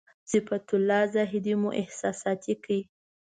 صفت الله زاهدي مو احساساتي کړ.